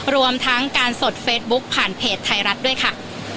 รวมทั้งการสดเฟซบุ๊คผ่านเพจไทยรัฐด้วยค่ะ